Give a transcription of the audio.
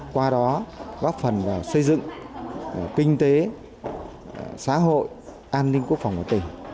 qua đó góp phần vào xây dựng kinh tế xã hội an ninh quốc phòng của tỉnh